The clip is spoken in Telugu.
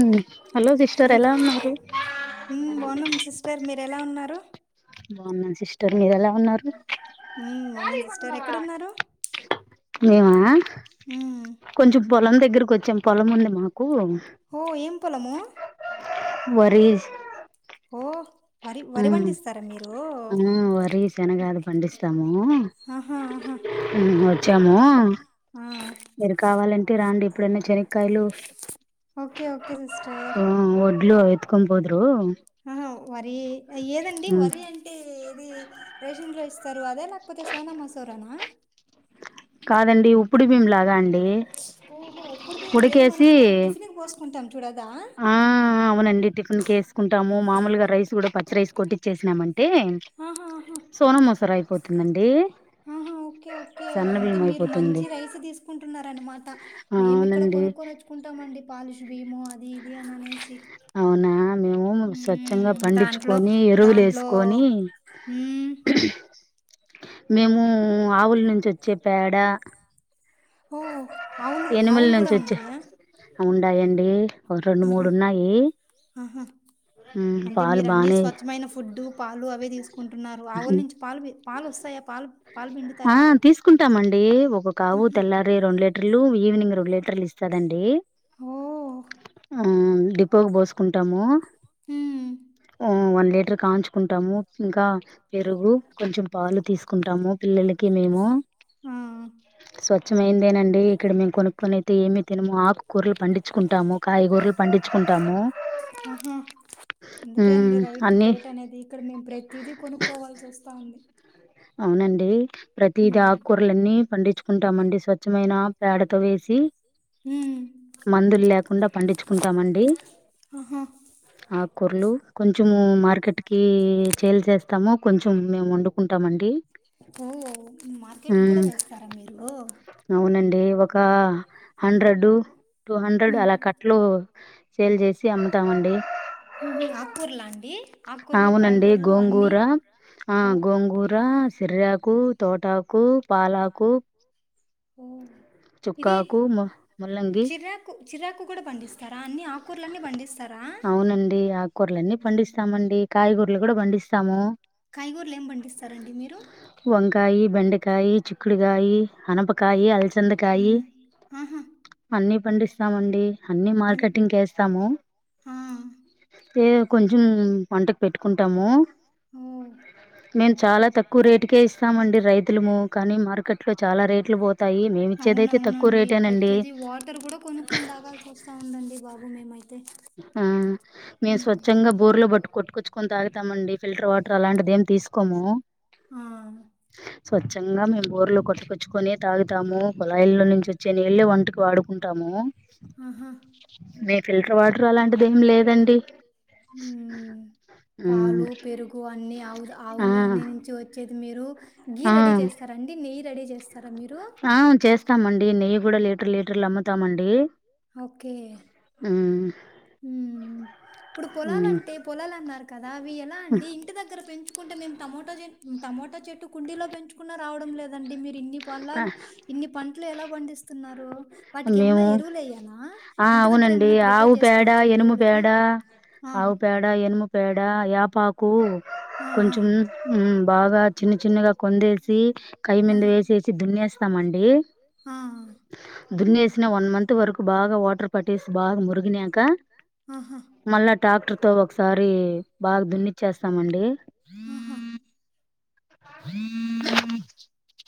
ఉమ్ హలో సిస్టర్ విన్ ఎలా ఉన్నారు మ్మ్ బాగున్నాం సిస్టర్ మీరు ఎలా ఉన్నారు బాగున్నాం సిస్టర్ మీరు ఎలా ఉన్నారు ఉమ్ బౌన్నన్ సిస్టర్ ఎక్కడున్నారు మేమ మ్మ్ కొంచెం పొలం దగ్గరకు వచ్చాం పొలం ఉంది మాకు ఓ ఏం పొలము వరీ స్ ఓ వరి వరి ఉమ్ పండిస్తారా మీరు ఆ వరి సెనగా అది పండిస్తమూ ఆహా ఆహా ఉమ్ చ్చముో ఆ మీరు కావాలంటే రాండి ఎప్పుడన్న చెనక్కయలు ఓకే ఓకే సిస్టర్ డ్లు ఎత్కొని పోద్ రూ ఉమ్ వరి ఏదండి వరి అంటే ఏది రేషన్ లో ఇస్ త అదే నా లేకపోతే సోనా మసూరనా కాదండి ఉప్పుడి బీమ్ లాగా అండి ఓహో ఇప్పుడు మేది ఉడికేసి మనము టిఫిన్కి పోసుకుంటాం చూడ దా ఆ అవునండి టిఫెన్కి వేసుకుంటాము మామూలుగా రైస్ కూడా ప రైస్ కొట్టిచ్చేినామన్ టె ఆహా ఆహా సోన మసుర అయిపోత్ తుందండి ఆహా ఓకే ఓకే అంటే మీరు అయిపోతుంది మంచి రైస్ తీసుకుంటున్నార అనమాట మేము ఇక్కడ అవునండి కొనుక్కొని వచ్చుకుంటామ అండి పాలిష్ బీమో అ ది ఇది అనేసి అవునా మేము స్వచ్ఛంగా దాంట్లో పండించుకొని ఎరువులు దాంట్లో వేసుకొని హ్మ్. మేము ఆవుల నుంచి వచ్చే పేడ ఓహో ఆవులు ఎనిమల ఆవులు నుంచి కూడా వచ్చే ఉన్నాయా ఉండాయండి రెండు మూడు ఆహా! ఉన్నాయి ఆహా ఉమ్, అంటే పాలు మీరు అన్ని బానే స్వచ్ఛమైన ఫుడ్డు పాలు అవి తీసుకు కొంటున్నారు ఆవుల నుంచి పాలు పాలు వస్తాయా పాలు ఆ పిండుతారా? తీసుకుంటామండి ఒకొకావు ఆహా! తెల్లారి రెండు ట్ టర్లు ఈవినింగ్ రెండ్లేటర్లు ఇస్తాదండి ఓ ఆ డిపోకి పోసుకుంటాము హ్మ్. ఓ వన్ లీటర్ కాంచుకుంటాము ఇంకా పెరుగు కొంచెం పాలు తీసుకుంటాము పిల్లలకి మేము ఆ స్వచ్ఛమైందేనండి ఇక్కడ మేము కొనుక్కకుని అయితే ఏమీ తినమో ఆకూరలు పండించుకుంటాము కాయగూరలు పండించుకుంటాము ఆహా అందుకే ఉమ్, అండి రైతు అన్ని గ్రేట్ అనేది ఇక్కడ మేము ప్రతిదీ కొనుక్కోవాల్సి వస్తా ఉంది అవునండి ప్రతీది ఉమ్ ఆకుకూర్లన్నీ పండిత్ ఉంటామండి స్వచ్ఛమైన పేడతో వేసి ఉమ్. మందులు లేకుండా పండించుకుంటామండి ఆహా కూరలు కొంచెము మార్కెట్ కి చేల్ చేస్తాము కొంచెం మేము వండుకుంటామండి ఓ మార్కెట్కి కూడా ఉమ్, వేస్తారా మీరు అవునండి ఒక హండ్రెడ్ టూ హండ్రెడ్ ఉమ్ అలా కట్టలు సేల్ చేసి అమ్ముతామండి ఉమ్ హ్మ్మ్ కూరలా అండి ఆకుకూరలు అవునండి కాయకూరలు అన్నీ గోంగూర ఆ ఓ గోంగూర సిర్యకు తోటకు పాలాకు ఓ ఇది చుక్కాకు మ ముల్లంగి చిరాకు చిరాకు కూడా పండిస్తారా అన్ని ఆ కూర్లన్ని బండిస్తారు అవునండి ఆకూరలన్నీ ఉమ్. పండిస్తామండి కాయగూర లు గూడా పండిస్తాము కాయిగూర్ల్ ఏం పండిస్తారండి మీరు కాయ బెండకాయ చిుక్కుడుగాయి అనపకాయ అలచందకాయి అమ్మో. ఆహా అన్నీ పండిస్తామండి అన్నీ అన్- మార్కెటింగ్ కేస్తాము ఆ, ఏదో కొంచెం వంటకు పెట్టుకుంటాము మ్ మేము చాలా తక్కువ రేటుకే ఇస్తామండి రైతులము. కానీ మార్కెట్‌లో చాలా రేట్లు బోతాయి. మేమిచ్చేదైతే తక్కువ అవునవునండి రేటేనండి. ప్రతిది వాటర్ కూడా కొను కొని తాగాల్సి ఒస్తా ఉందండి బాబు మేమై ఆ మేవ్ స్వచ్ఛంగా బోర్లో బట్టు కొట్ కుచ్చుకొని తా తామండి ఫల్టర్ వాటర్ అలాంటిదిే తీసుకోము ఆ, స్వచ్ఛంగా మేము బోర్లు కొట్టుకొచ్చుకొని తాగుతాము కొళాయిల్లో నుంచి వచ్చే నీళ్ళ వంటకి వాడుకుంటాము ఆహా వాట్ మ్మ్ పాలు పెరుగు అన్ని ఆవు ఆవు ఆ నుంచి వచ్చేది మీరు గీ ఆ రెడీ చేస్తారండి నెయ్యి చడి చేస్తే ఆ చేస్తామండి నెయ్యి కూడా లే లీటర్లు అమ్ముతామండి ఓకే మ్మ్ ఉం ఇప్పుడు మ్మ్ పొలాలుంటే పొలాలు అన్నారు కదా అవి ఎలా అండి ఇంటి దగ్గర పెంచు కుంటే మేము టమోటా చె టమాటా చెట్టు కుండీలో పెంచుకున్నా రావడం లేదండి మీరు ఇన్ని పంలాలు ఇన్ని పం లు ఎలా పండిస్తున్నారు వాటికి ఏమన్నా మేము ఎరువులుయ్యాల ఇంటి దగ్గర ఏమైన్నా ప్రిపేర్ చేసు అ ఎనుము పేడ ఆవు పేడ ఎనుము పేడ పాకు ఆ, ఆ, కొంచం మ్ బాగా చిన్న చిన్నగా కొందేసి కై మందు ఆహా, యేసేసి దున్నేస్తామండి. ఆ, దున్నేసిన వన్ మంత్ వరకు, బాగా వాటర్ పట్టేసి, బాగా మురిగినాక. ఆహా టాక్టర్ తో, ఒకసారి బాగా దున్నిచ్చేస్తామండి. ఆహా హ